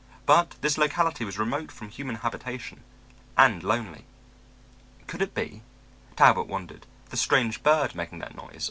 But this locality was remote from human habitation, and lonely. Could it be, Talbot wondered, the strange bird making that noise?